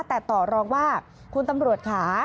แต่ต่อรองว่าคุณตำรวจค่ะ